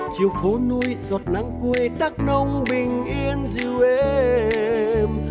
chiều phố núi giọt nắng quê đắc nông bình yên dù êm